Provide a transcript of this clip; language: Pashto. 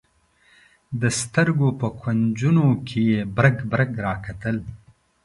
د سترګو په کونجونو کې یې برګ برګ راکتل.